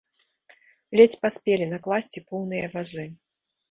Ледзь паспелі накласці поўныя вазы.